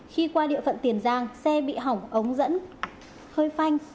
khi qua địa phận tiền giang xe bị hỏng ống dẫn hơi phanh